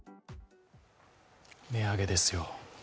値上げですよ。